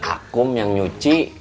aku yang nyuci